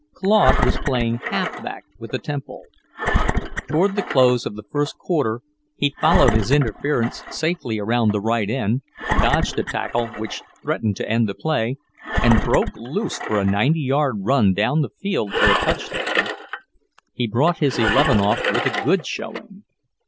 Claude was playing half back with the Temple. Toward the close of the first quarter, he followed his interference safely around the right end, dodged a tackle which threatened to end the play, and broke loose for a ninety yard run down the field for a touchdown. He brought his eleven off with a good showing.